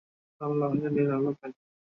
আর হত্যা হলো, সব জুলুমের বড় জুলুম।